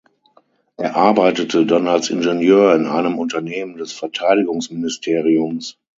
Er arbeitete dann als Ingenieur in einem Unternehmen des Verteidigungsministeriums.